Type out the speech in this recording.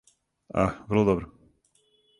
Ах, врло добро.